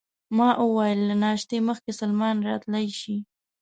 ما وویل: له ناشتې مخکې سلمان راتلای شي؟